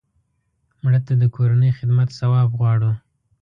مړه ته د کورنۍ خدمت ثواب غواړو